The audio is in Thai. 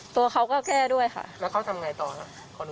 ตัวเค้าก็แก้ด้วยค่ะแล้วเค้าทำไงต่อขออนุญาต